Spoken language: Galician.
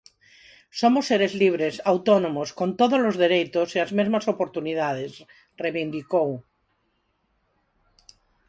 "Somos seres libres, autónomos, con todos os dereitos e as mesmas oportunidades", reivindicou.